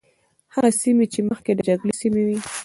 هغه سیمې چې مخکې د جګړې سیمې وي.